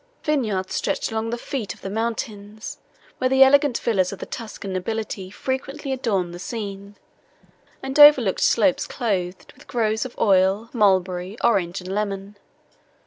Vineyards stretched along the feet of the mountains, where the elegant villas of the Tuscan nobility frequently adorned the scene, and overlooked slopes clothed with groves of olive, mulberry, orange and lemon.